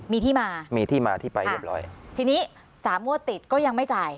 มีที่มามีที่มาที่ไปเรียบร้อยทีนี้สามงวดติดก็ยังไม่จ่าย